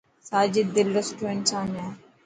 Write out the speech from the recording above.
ساجد دل رو سٺو انسان هي.